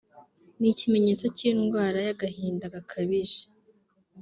ni ikimenyetso cy’indwara y’agahinda gakabije (depression)